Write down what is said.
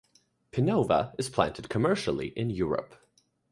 'Pinova' is planted commercially in Europe.